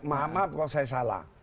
mahamab kalau saya salah